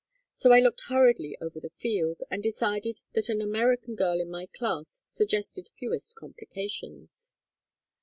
So I looked hurriedly over the field, and decided that an American girl in my class suggested fewest complications.